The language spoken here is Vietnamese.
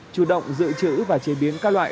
chủ động dự trữ và chế biến các loại